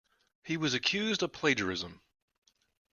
He was accused of plagiarism.